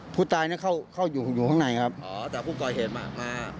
ผู้ตายเนี่ยเข้าอยู่อยู่ข้างในครับอ๋อแต่ผู้ก่อเหตุมามา